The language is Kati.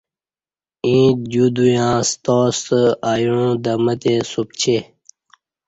ییں دیو دُویاں ستا ستہ ایوعں دمہتی سُپچے